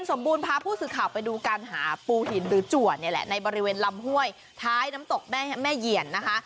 สมบูรณ์พาผู้สื่อข่าวไปดูกันหาปูหินจัวในบริเวณลำห้วยท้ายน้ำตกแม่เหยียนนะคะ